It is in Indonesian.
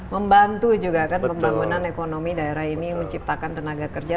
membantu juga kan pembangunan ekonomi daerah ini menciptakan tenaga kerja